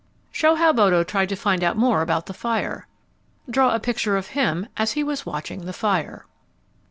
_ Show how Bodo tried to find out more about the fire. _Draw a picture of him as he was watching the fire.